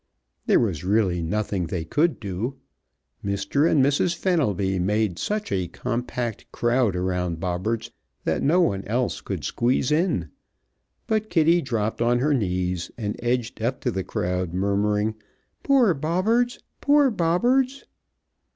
There was really nothing they could do. Mr. and Mrs. Fenelby made such a compact crowd around Bobberts that no one else could squeeze in, but Kitty dropped on her knees and edged up to the crowd, murmuring, "Poor Bobberts! Poor Bobberts!"